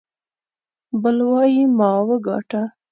بل وايي ما وګاټه.